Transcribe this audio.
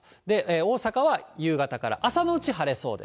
大阪は夕方から、朝のうち晴れそうです。